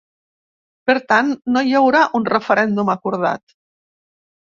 Per tant no hi haurà un referèndum acordat.